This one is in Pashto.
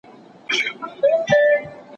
د کتابتون څېړنه د پخوانیو اثارو کره کتنه ده.